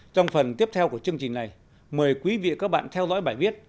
trong phần tiếp theo của chương trình này mời quý vị và các bạn theo dõi bài viết